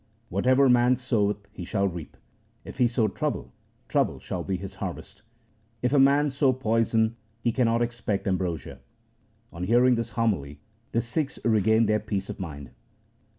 Whatever man soweth he shall reap. If he sow trouble, trouble shall be his harvest. If a man sow poison, he cannot expect ambrosia.' On hearing this homily the Sikhs regained their peace of mind.